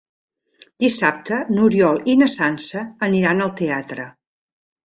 Dissabte n'Oriol i na Sança aniran al teatre.